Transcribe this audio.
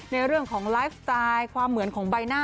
ในเรื่องของไลฟ์สไตล์ความเหมือนของใบหน้า